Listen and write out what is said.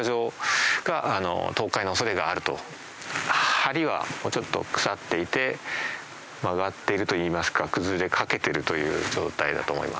はりはちょっと腐っていて曲がっているといいますか崩れかけてるという状態だと思います。